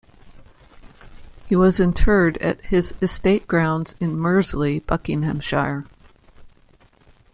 He was interred at his estate grounds in Mursley, Buckinghamshire.